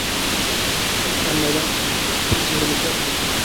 شۇنداق قىلىپ، ھەممەيلەن خوشلىشىپ ئۆيلىرىمىزگە قايتتۇق.